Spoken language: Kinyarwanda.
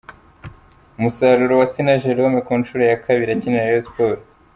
Umusaruro wa Sina Jerôme ku nshuro ya kabiri akinira Rayon Sports.